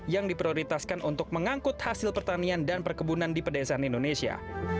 yang diprioritaskan untuk mengangkut hasil pertanian dan perkebunan di pedesaan indonesia